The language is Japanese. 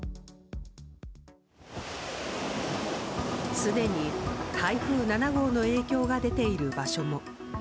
すでに台風７号の影響が出ている場所も。